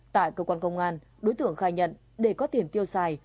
tại cơ quan công an đối tượng khai nhận để có tiền tiêu xài